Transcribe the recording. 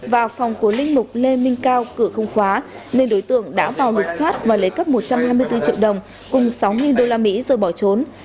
vào phòng của linh mục lê minh cao cửa không khóa nên đối tượng đã vào lục xoát và lấy cắp một trăm hai mươi bốn triệu đồng cùng sáu usd rồi bỏ trốn